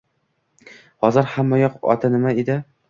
Hozir hammayoq... oti nima edi?